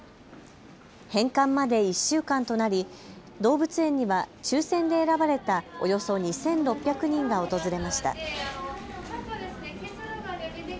返還まで１週間となり動物園には抽せんで選ばれたおよそ２６００人が訪れました。